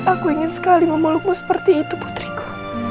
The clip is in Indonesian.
aku ingin sekali memelukmu seperti itu putriku